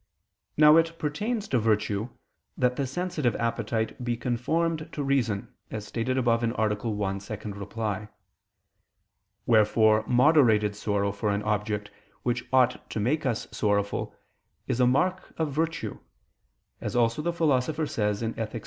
Now it pertains to virtue that the sensitive appetite be conformed to reason, as stated above (A. 1, ad 2). Wherefore moderated sorrow for an object which ought to make us sorrowful, is a mark of virtue; as also the Philosopher says (Ethic.